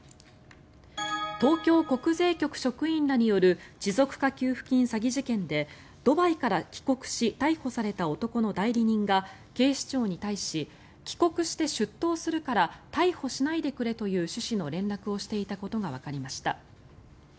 東京国税局職員らによる持続化給付金詐欺事件でドバイから帰国し逮捕された男の代理人が警視庁に対し帰国して出頭するから逮捕しないでくれという趣旨の連絡をしていたことがわかりました。